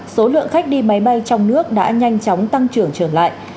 số lượng khách đi máy bay trong nước đã nhanh chóng tăng trưởng trở lại